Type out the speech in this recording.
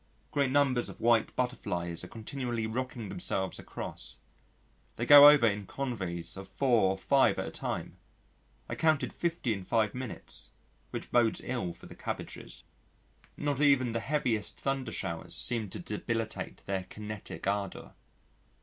Great numbers of White Butterflies are continually rocking themselves across they go over in coveys of four or five at a time I counted 50 in five minutes, which bodes ill for the cabbages. Not even the heaviest thunder showers seem to debilitate their kinetic ardour.